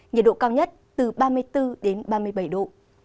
nhiệt độ cao nhất từ ba mươi bốn đến ba mươi bảy độ